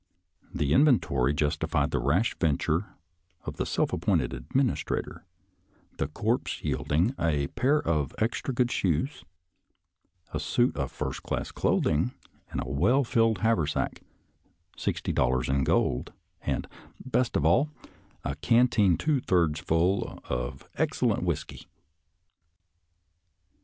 The inventory justified the rash venture of the self appointed administrator, the cotpse yielding a pair of extra good shoes, a suit of first class clothing, a well filled haversack, sixty dollars in gold, and, best of all, a canteen two thirds full of excellent whisky.